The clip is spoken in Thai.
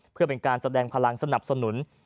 เพื่อเป็นการแสดงพลังสนับสนุน